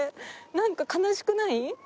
なんか悲しくない？